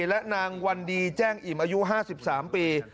และนางวันดีแจ้งอิ่มอายุ๕๓ปี